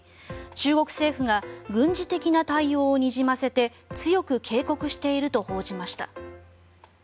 中国政府が軍事的な対応をにじませて強く警告していると報じました。